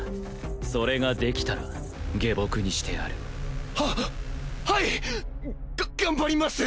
それができたら下僕にしてやるははいが頑張ります！